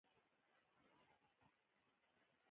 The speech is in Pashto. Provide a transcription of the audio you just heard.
د ناپلیون د کورنیو غړو ته مسوولیتونو ور سپارل.